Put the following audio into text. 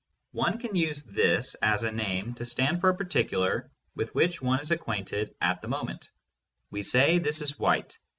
One can use "this" as a name to stand for a particular with which one is acquainted at the moment. We say "This is white."